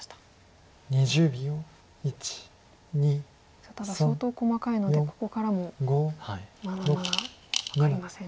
さあただ相当細かいのでここからもまだまだ分かりません。